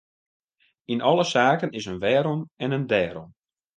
Yn alle saken is in wêrom en in dêrom.